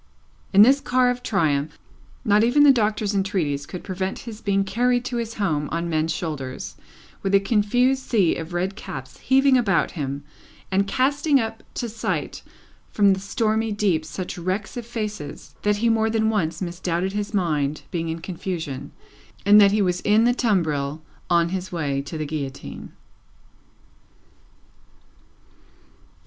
In this car of triumph, not even the Doctor's entreaties could prevent his being carried to his home on men's shoulders, with a confused sea of red caps heaving about him, and casting up to sight from the stormy deep such wrecks of faces, that he more than once misdoubted his mind being in confusion, and that he was in the tumbril on his way to the Guillotine.